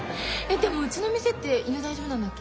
でもうちの店って犬大丈夫なんだっけ？